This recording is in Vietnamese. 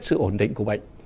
sự ổn định của bệnh